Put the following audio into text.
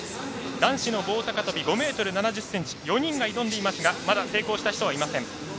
男子の棒高跳び、５ｍ７０ｃｍ４人が挑んでいますがまだ成功した人はいません。